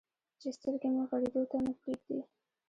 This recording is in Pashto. چې سترګې مې غړېدو ته نه پرېږدي.